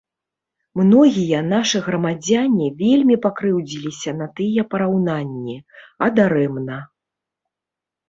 Многія нашы грамадзяне вельмі пакрыўдзіліся на тыя параўнанні, а дарэмна.